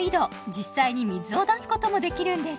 実際に水を出すこともできるんです